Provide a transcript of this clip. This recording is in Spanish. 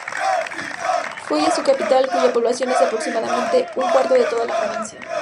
Foggia su capital, cuya población es de aproximadamente un cuarto de toda la provincia.